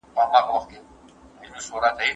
د کبانو خوړل څه ګټه لري؟